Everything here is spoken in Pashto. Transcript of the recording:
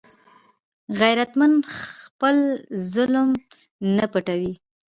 غیرتمند خپل ظلم هم نه پټوي